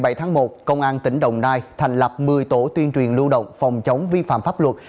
vào tháng hai mươi bảy tháng một công an tỉnh đồng nai thành lập một mươi tổ tuyên truyền lưu động phòng chống vi phạm pháp luật